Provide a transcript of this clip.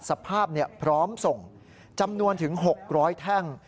สภาพพร้อมส่งจำนวนถึง๖๐๐แท่ง